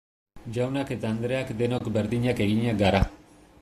Jaunak eta andreak denok berdinak eginak gara.